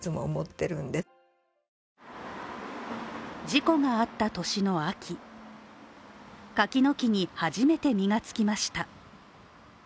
事故があった年の秋、柿の木に初めて実がつきました。